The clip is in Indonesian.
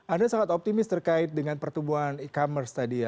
anda sangat optimis terkait dengan pertumbuhan e commerce tadi ya